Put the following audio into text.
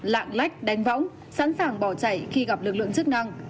lạng lách đánh võng sẵn sàng bỏ chạy khi gặp lực lượng chức năng